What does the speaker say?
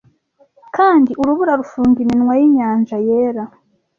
Kandi urubura rufunga iminwa yinyanja yera,